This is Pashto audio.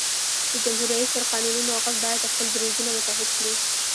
د جمهور رئیس پر قانوني موقف باید خپل دریځونه متحد کړي.